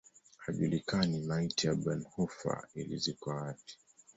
Haijulikani maiti ya Bonhoeffer ilizikwa wapi.